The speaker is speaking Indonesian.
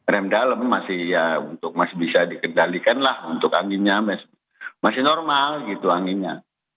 rem dalam masih ya untuk masih bisa dikendalikan lah untuk anginnya masih normal gitu anginnya